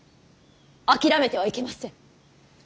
諦めてはいけません。